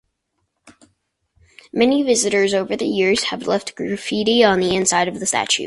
Many visitors over the years have left graffiti on the inside of the statue.